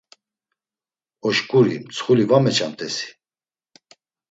Oşǩuri, mtsxuli va meçamt̆esi?